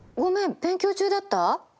勉強中だった？